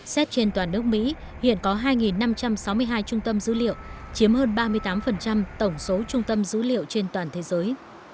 xét trên toàn nước mỹ hiện có hai năm trăm sáu mươi hai trung tâm dữ liệu chiếm hơn ba mươi tám tổng số trung tâm dữ liệu trên toàn thế giới